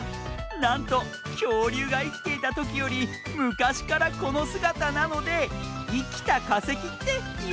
なんときょうりゅうがいきていたときよりむかしからこのすがたなので「いきたかせき」っていわれているんだ。